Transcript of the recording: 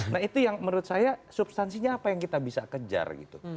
nah itu yang menurut saya substansinya apa yang kita bisa kejar gitu